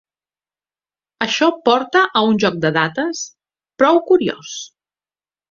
Això porta a un joc de dates prou curiós.